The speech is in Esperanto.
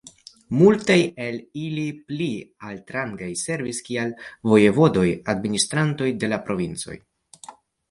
Multaj el ili, pli altrangaj, servis kiel vojevodoj, administrantoj de la provincoj.